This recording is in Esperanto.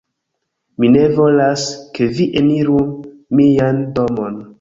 Mi ne volas, ke vi eniru mian domon